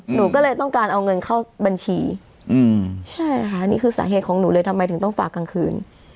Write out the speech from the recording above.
หนูก็เลยต้องการเอาเงินเข้าบัญชีใช่ค่ะนี่คือสาเหตุของหนูเลยทำไมถึงต้องฝากกลางคืน